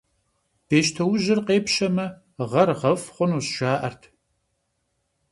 Бещтоужьыр къепщэмэ, гъэр гъэфӀ хъунущ, жаӀэрт.